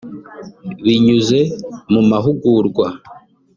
binyuze mu mahugurwa